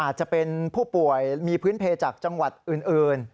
อาจจะเป็นผู้ป่วยมีพื้นเพลจากจังหวัดอื่น